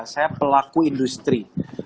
saya pelaku industri